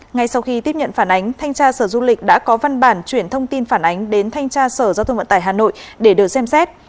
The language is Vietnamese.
ngay sau khi tiếp nhận phản ánh thanh tra sở du lịch đã có văn bản chuyển thông tin phản ánh đến thanh tra sở giao thông vận tải hà nội để được xem xét